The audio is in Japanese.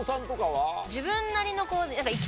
自分なりの。